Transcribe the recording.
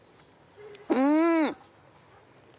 うん！